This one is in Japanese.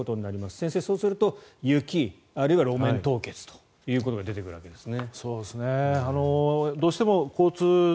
先生、そうすると雪あるいは路面凍結ということが出てくるわけですね。